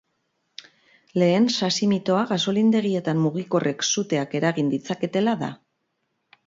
Lehen sasi-mitoa gasolindegietan mugikorrek suteak eragin ditzaketela da.